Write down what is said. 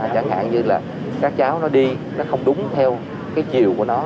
chẳng hạn như là các cháu nó đi nó không đúng theo cái chiều của nó